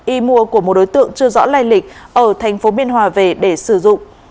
y mua của một đối tượng chưa rõ lai lịch ở tp biên hòa về để sử dụng